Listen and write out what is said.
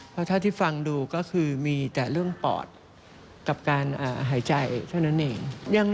เพราะเท่าที่ฟังดูก็คือมีแต่เรื่องปอดกับการหายใจเท่านั้นเอง